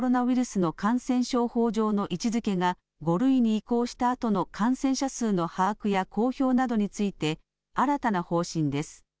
新型コロナウイルスの感染症法上の位置づけが、５類に移行したあとの感染者数の把握や公表などについて、新たな方針です。